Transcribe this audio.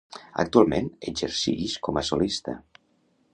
Actualment exercix com a solista.